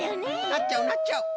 なっちゃうなっちゃう！